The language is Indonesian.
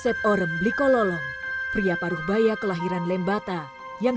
sejak usia tiga tahun kemarin kupang menerima kekuatan kekuatan yang terbaik dari anak anak yang berada di kota kupang